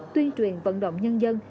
tuyên truyền vận động nhân dân